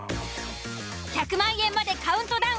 １００万円までカウントダウン